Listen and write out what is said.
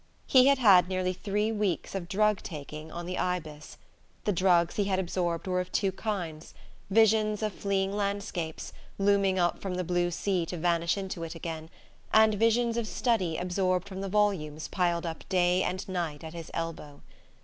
He had had nearly three weeks of drug taking on the Ibis. The drugs he had absorbed were of two kinds: visions of fleeing landscapes, looming up from the blue sea to vanish into it again, and visions of study absorbed from the volumes piled up day and night at his elbow.